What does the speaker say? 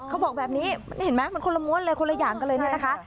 เขาบอกแบบนี้มันเห็นไหมคนละม้วนเลยคนละอย่างกันเลยนะคะ